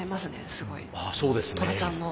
すごいトラちゃんの。